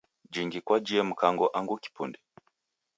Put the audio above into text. Jhingi kwajhie Mkango angu kipunde?.